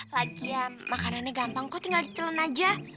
lagian makanannya gampang kok tinggal ditelen aja